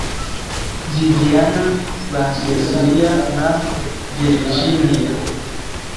viviyana, ba sesire na virijiniya.